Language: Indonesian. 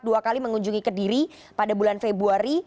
dua kali mengunjungi kediri pada bulan februari